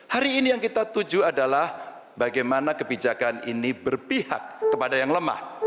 hari ini yang kita tuju adalah bagaimana kebijakan ini berpihak kepada yang lemah